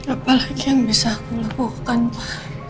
apa lagi yang bisa aku lakukan pak